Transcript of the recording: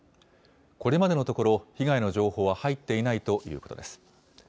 これまでのところ、被害の情報は入っていないということです。